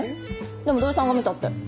でも土井さんが見たって。